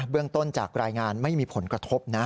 เรื่องต้นจากรายงานไม่มีผลกระทบนะ